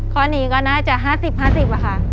ข้อนี้ก็น่าจะ๕๐๕๐ค่ะ